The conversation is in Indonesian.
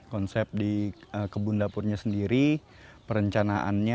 konsep di kebun dapurnya sendiri perencanaannya